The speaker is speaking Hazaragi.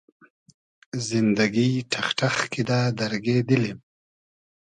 زیندئگی ݖئخ ݖئخ کیدۂ دئرگې دیلیم